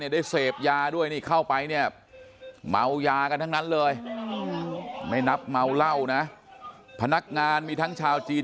ได้เสพยาด้วยนี่เข้าไปเนี่ยเมายากันทั้งนั้นเลยไม่นับเมาเหล้านะพนักงานมีทั้งชาวจีน